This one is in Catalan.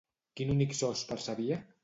Quin únic so es percebia?